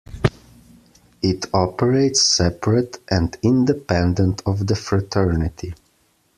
It operates separate and independent of the fraternity.